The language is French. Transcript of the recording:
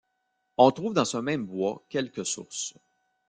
On trouve dans ce même bois quelques sources.